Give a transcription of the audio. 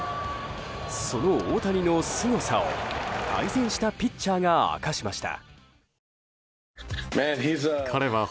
その大谷のすごさを対戦したピッチャーが明かしました。